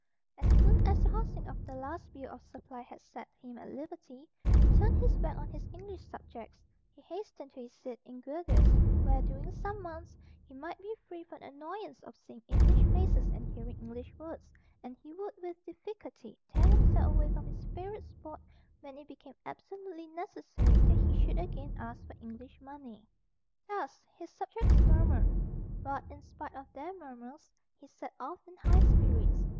As soon as the passing of the last bill of supply had set him at liberty, he turned his back on his English subjects; he hastened to his seat in Guelders, where, during some months, he might be free from the annoyance of seeing English faces and hearing English words; and he would with difficulty tear himself away from his favourite spot when it became absolutely necessary that he should again ask for English money. Thus his subjects murmured; but, in spite of their murmurs, he set off in high spirits.